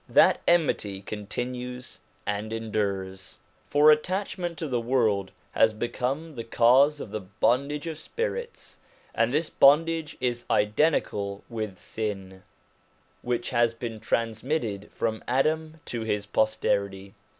That enmity continues and endures. For attachment to the world has become the cause of the bondage of spirits, and this bondage is identical with sin, which has been transmitted from Adam to his posterity.